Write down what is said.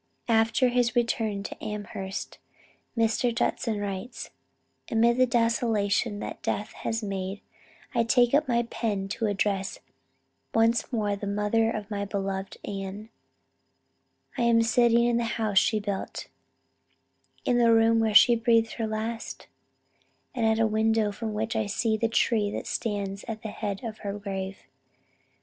After his return to Amherst, Mr. Judson writes: "Amid the desolation that death has made, I take up my pen to address once more the mother of my beloved Ann. I am sitting in the house she built in the room where she breathed her last and at a window from which I see the tree that stands at the head of her grave....